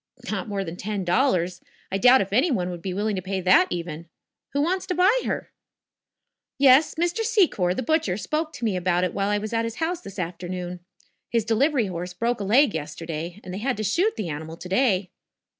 "Not more than ten dollars. I doubt if any one would be willing to pay that, even. Who wants to buy her?" "Yes; Mr. Secor, the butcher, spoke to me about it while I was at his house this afternoon. His delivery horse broke a leg yesterday and they had to shoot the animal to day."